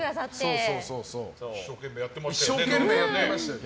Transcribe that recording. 一生懸命やってましたよ。